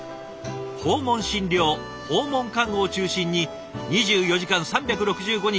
訪問診療・訪問看護を中心に２４時間３６５日